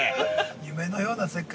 ◆夢のような世界。